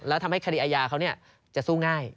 แล้วทำให้คดีอาญาเขาจะสู้ง่าย